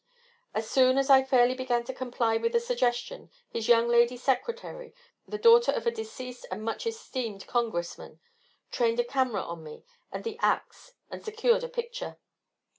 As soon as I fairly began to comply with the suggestion his young lady secretary, the daughter of a deceased and much esteemed congressman, trained a camera on me and the axe and secured a picture.